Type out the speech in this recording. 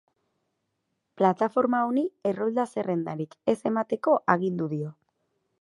Plataforma honi errolda zerrendarik ez emateko agindu dio.